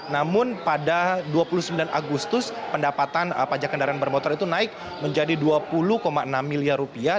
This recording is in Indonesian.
namun pada dua puluh sembilan agustus pendapatan pajak kendaraan bermotor itu naik menjadi dua puluh enam miliar rupiah